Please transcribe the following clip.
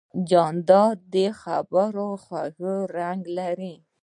جانداد د خبرو خوږ رنګ لري.